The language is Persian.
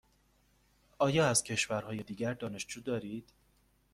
آیا از کشورهای دیگر دانشجو دارید؟